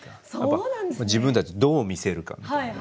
自分たちどう見せるかみたいな。